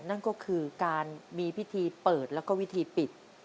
นั่นก็คือการมีพิธีเปิดแล้วก็วิธีปิด